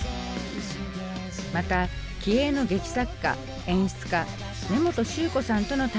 また気鋭の劇作家・演出家根本宗子さんとの対談もお届け。